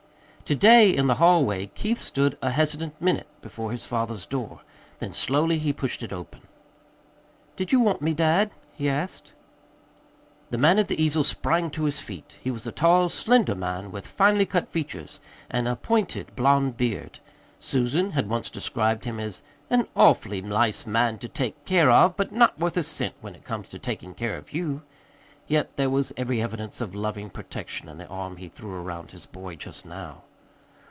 To day, in the hallway, Keith stood a hesitant minute before his father's door. Then slowly he pushed it open. "Did you want me, dad?" he asked. The man at the easel sprang to his feet. He was a tall, slender man, with finely cut features and a pointed, blond beard. Susan had once described him as "an awfully nice man to take care of, but not worth a cent when it comes to takin' care of you." Yet there was every evidence of loving protection in the arm he threw around his boy just now.